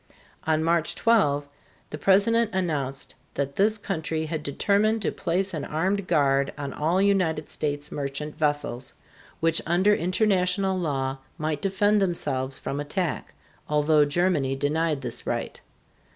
On March 12 the President announced that this country had determined to place an armed guard on all United States merchant vessels, which under international law might defend themselves from attack, although Germany denied this right.